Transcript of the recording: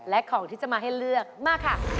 และของที่จะมาให้เลือกมาค่ะ